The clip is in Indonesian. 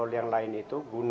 umang metan disitu ada simbolnya